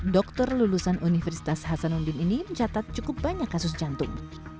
dokter lulusan universitas hasanuddin ini mencatat cukup banyak kasus jantung